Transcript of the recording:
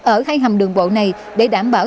ở hai hầm đường bộ này để đảm bảo